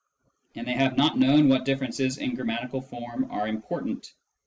And they have not known what differences in gram matical form are important.